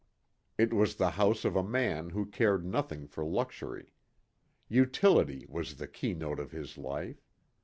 It was the house of a man who cared nothing for luxury. Utility was the key note of his life.